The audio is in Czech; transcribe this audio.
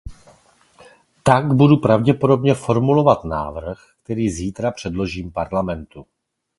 Tak budu pravděpodobně formulovat návrh, který zítra předložím Parlamentu.